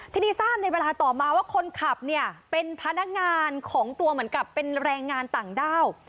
ทีนี้ทราบในเวลาต่อมาว่าคนขับเนี่ยเป็นพนักงานของตัวเหมือนกับเป็นแรงงานต่างด้าว